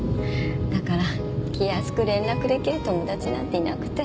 だから気安く連絡出来る友達なんていなくて。